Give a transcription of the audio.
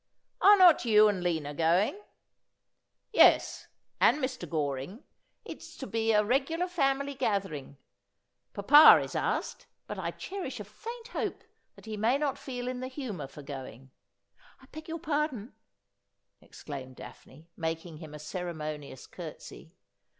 ' Are not you and Lina going ?'' Yes, and Mr. Goring. It is to be a regular family gather ing. Papa is asked, but I cherish a faint hope that he may not feel in the humour for going. I beg your pardon,' exclaimed Daphne, making him a ceremonious curtsy.